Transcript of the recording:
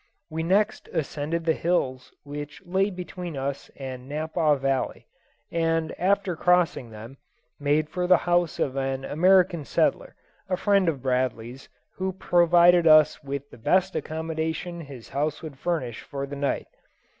We next ascended the hills which lay between us and Napper Valley, and, after crossing them, made for the house of an American settler, a friend of Bradley's, who provided us with the best accommodation his house would furnish for the night.